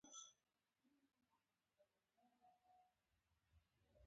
زه نه پوهیږم انډریو ډاټ باس سلاټ ماشین ته وکتل